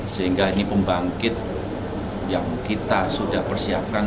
sehingga ini pembangkit yang kita sudah persiapkan